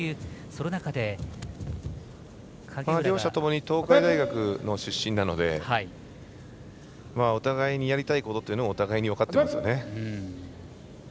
その中で。両者ともに東海大学の出身なのでお互いにやりたいことというのはお互いに分かってますよね。